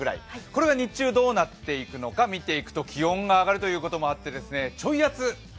これが日中どうなっていくのか見ていくと気温が上がるということもあって、ちょい暑。